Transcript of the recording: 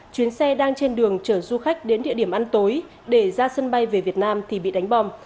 chuyến xe đang trên đường chở du khách đến địa điểm ăn tối để ra sân bay về việt nam thì bị đánh bom